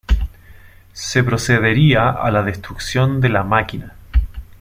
se procedería a la destrucción de la máquina